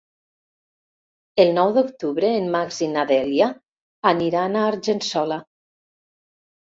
El nou d'octubre en Max i na Dèlia aniran a Argençola.